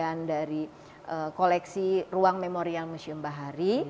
bagian dari koleksi ruang memorial museum bahari